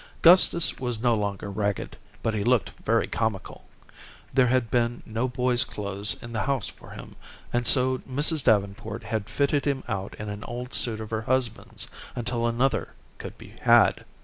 Gustus was no longer ragged, but he looked very comical. There had been no boy's clothes in the house for him, and so Mrs. Davenport had fitted him out in an old suit of her husband's until another could be had.